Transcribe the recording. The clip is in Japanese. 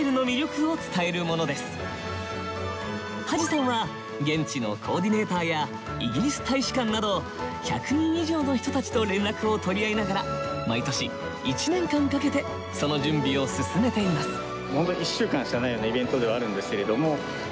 土師さんは現地のコーディネーターやイギリス大使館など１００人以上の人たちと連絡を取り合いながら毎年１年間かけてその準備を進めています。